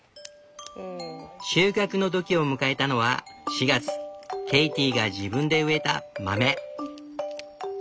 収穫の時を迎えたのは４月ケイティが自分で植えた豆。